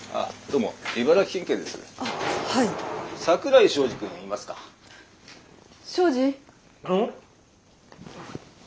うん？